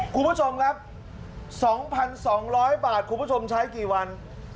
คุณผู้ชมครับสองพันสองร้อยบาทคุณผู้ชมใช้กี่วัน